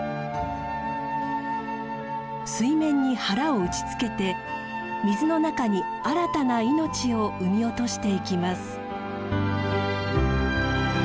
水面に腹を打ちつけて水の中に新たな命を産み落としていきます。